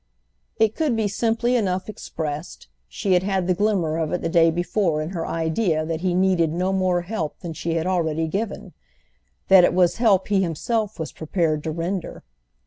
It could be simply enough expressed; she had had the glimmer of it the day before in her idea that he needed no more help than she had already given; that it was help he himself was prepared to render.